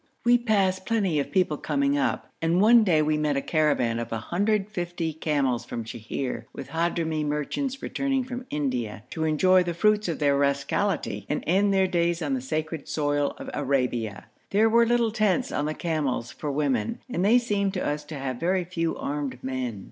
We passed plenty of people coming up, and one day we met a caravan of 150 camels from Sheher with Hadhrami merchants returning from India to enjoy the fruits of their rascality, and end their days on the sacred soil of Arabia. There were little tents on the camels for women, and they seemed to us to have very few armed men.